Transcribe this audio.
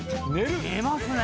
寝ますね！